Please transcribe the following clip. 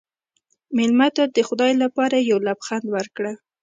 مېلمه ته د خدای لپاره یو لبخند ورکړه.